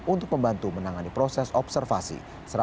untuk membantu menangani proses observasi